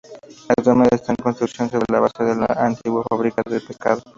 Actualmente está en construcción sobre la base de una antigua fábrica de pescado.